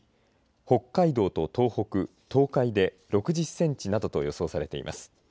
北海道と東北、東海で６０センチなどと予想されています。